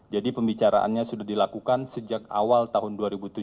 jadi pembicaraannya sudah dilakukan sejak awal tahun dua ribu tujuh belas